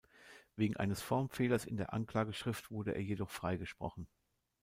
Wegen eines Formfehlers in der Anklageschrift wurde er jedoch freigesprochen.